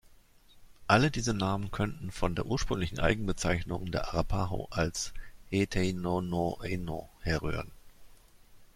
Alle diese Namen könnten von der ursprünglichen Eigenbezeichnung der Arapaho als "Heeteinono’eino" herrühren.